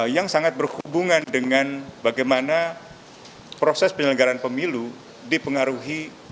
yang sangat berhubungan dengan bagaimana proses penyelenggaraan pemilu dipengaruhi